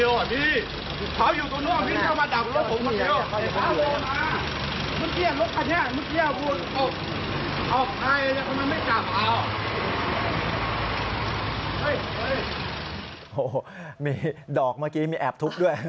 โอ้โหมีดอกเมื่อกี้มีแอบทุบด้วย